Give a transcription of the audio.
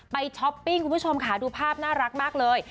ช้อปปิ้งคุณผู้ชมค่ะดูภาพน่ารักมากเลย